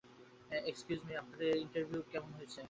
Excuse me, আমাদের interview আছে।